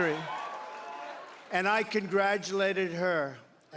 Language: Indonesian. kami mengucapkan kebahagiaan kepada kita